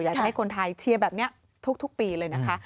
อยากจะให้คนไทยเชียร์แบบนี้ทุกปีเลยนะคะ